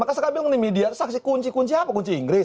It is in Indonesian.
maka sekarang bilang nih media saksi kunci kunci apa kunci inggris